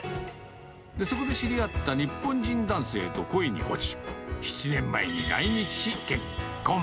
で、そこで知り合った日本人男性と恋に落ち、７年前に来日し、結婚。